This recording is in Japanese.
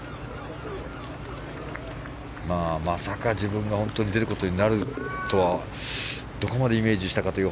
まさか自分が出ることになるとはどこまでイメージしたかという。